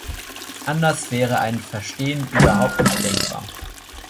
Anders wäre ein Verstehen überhaupt nicht denkbar.